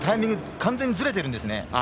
完全にずれているんです。